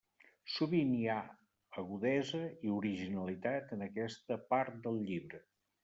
Sovint hi ha agudesa i originalitat en aquesta part del llibre.